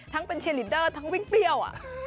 ทั้งเป็นเชลิดเดอร์ทั้งวิ่งเปรี้ยว